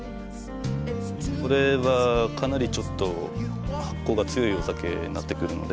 これはかなりちょっと発酵が強いお酒になってくるので。